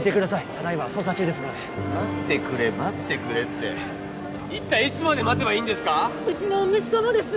ただいま捜査中ですので待ってくれ待ってくれって一体いつまで待てばいいんですかうちの息子もです